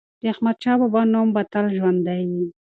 د احمدشاه بابا نوم به تل ژوندی وي.